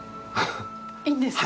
いいんですか！？